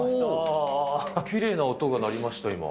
きれいな音が鳴りました、